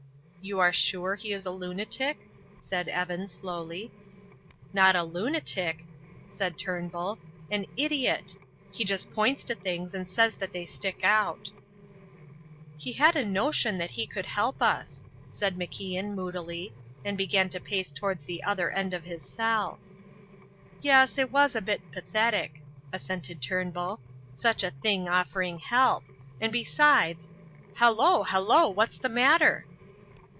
"You are sure he is a lunatic?" said Evan, slowly. "Not a lunatic," said Turnbull, "an idiot. He just points to things and says that they stick out." "He had a notion that he could help us," said MacIan moodily, and began to pace towards the other end of his cell. "Yes, it was a bit pathetic," assented Turnbull; "such a Thing offering help, and besides Hallo! Hallo! What's the matter?"